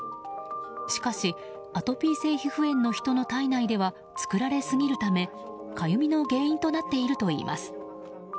しかし、アトピー性皮膚炎の人の体内では作られすぎるためかゆみの原因となっているといいます。